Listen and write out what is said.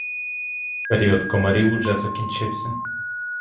Період комарів уже закінчився.